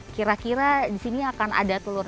kira kira di sini akan ada telur